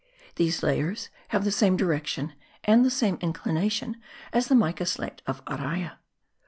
These layers have the same direction and the same inclination as the mica slate of Araya.